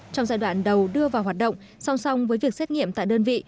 trong giai đoạn đầu đưa vào hoạt động song song với việc xét nghiệm tại đơn vị